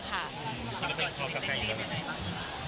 จะเป็นชีวิตเป็นไงบ้าง